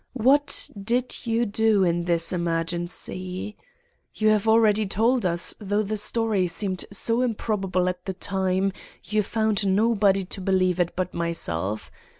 What did you do in this emergency? You have already told us, though the story seemed so improbable at the time, you found nobody to believe it but myself.